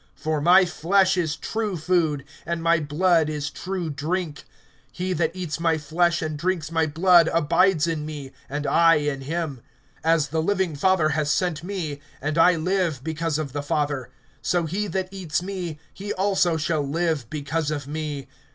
(55)For my flesh is true food, and my blood is true drink. (56)He that eats my flesh, and drinks my blood, abides in me, and I in him. (57)As the living Father has sent me, and I live because of the Father; so he that eats me, he also shall live because of me.